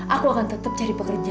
aku akan tetap cari pekerjaan